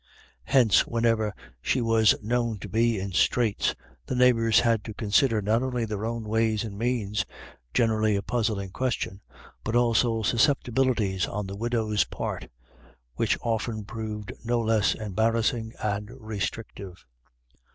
Hence, whenever she was known to be in straits, the neighbours had to consider not only their own ways and means, generally a puzzling question, but also susceptibilities on the widow's part, which often proved no less embarrassing and restrictive.